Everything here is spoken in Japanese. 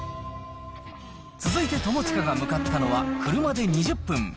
続いて友近が向かったのは、車で２０分。